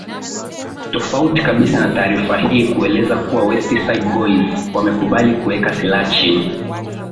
Tofauti kabisa na taarifa hii kueleza kuwa West Side Boys wamekubali kuweka silaha chini